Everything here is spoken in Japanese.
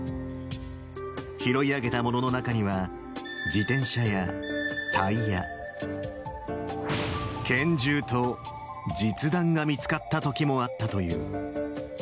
拾い上げたものの中には、自転車やタイヤ、拳銃と実弾が見つかったときもあったという。